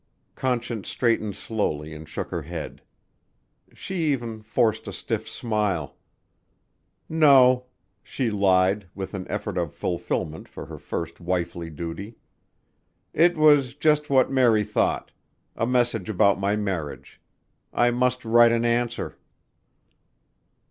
Conscience straightened slowly and shook her head. She even forced a stiff smile. "No," she lied with an effort of fulfilment for her first wifely duty. "It was just what Mary thought. A message about my marriage. I must write an answer."